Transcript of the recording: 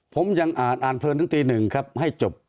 ผมยังอ่านเพิรุนตรงตีหนึ่งให้จบ